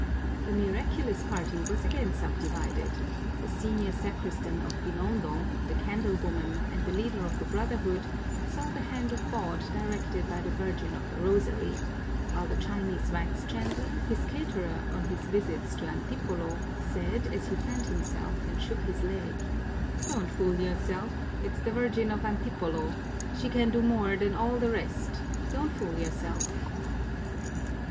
The miraculous party was again subdivided: the senior sacristan of Binondo, the candle woman, and the leader of the Brotherhood saw the hand of God directed by the Virgin of the Rosary; while the Chinese wax chandler, his caterer on his visits to Antipolo, said, as he fanned himself and shook his leg: "Don't fool yourself it's the Virgin of Antipolo! She can do more than all the rest don't fool yourself!"